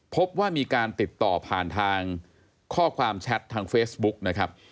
พบว่ามีการติดต่อผ่านทางข้อความแชททางเฟซบุ๊กนะครับ